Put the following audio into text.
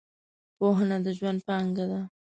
پوهنه د ژوند پانګه ده .